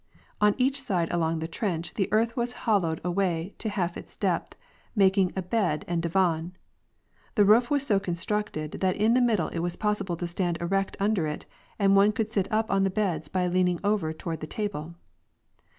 On each side along the trench the earth was hollowed away to half its depth, making a bed and divan. The roof was so constructed that in the middle it was possible to stand erect under it, and one could sit up on the beds by leaning over toward the table.